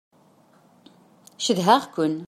Cedhaɣ-ken.